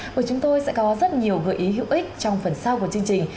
của chúng tôi sẽ có rất nhiều gợi ý hữu ích trong phần sau của chương trình